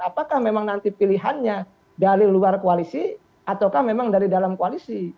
apakah memang nanti pilihannya dari luar koalisi ataukah memang dari dalam koalisi